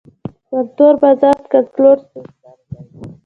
پر تور بازار کنټرول ستونزمن دی.